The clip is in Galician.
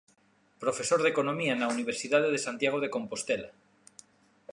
Profesor de economía na Universidade de Santiago de Compostela.